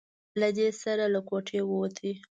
له دې سره له کوټې ووت.